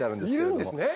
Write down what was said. いるんですね。